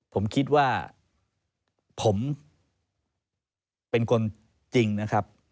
ผมคิดว่าผมเป็นคนจริงนะครับ